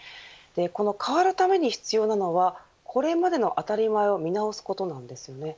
この変わるために必要なのはこれまでの当たり前を見直すことです。